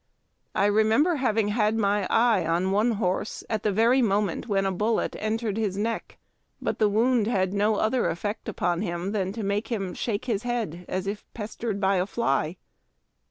I remember having had my eye on one horse at the very moment when a bullet entered his neck, but the wound had no other effect upon him than to make him shake his head as if pestered by a fly.